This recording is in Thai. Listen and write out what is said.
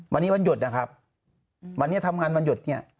วันนี้วันหยุดนะครับวันนี้ทำงานวันหยุดเนี่ย